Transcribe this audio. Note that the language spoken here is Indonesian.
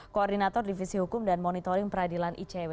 koordinator divisi hukum dan monitoring peradilan icw